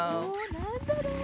なんだろう？